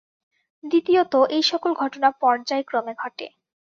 দ্বিতীয়ত এই-সকল ঘটনা পর্যায়ক্রমে ঘটে।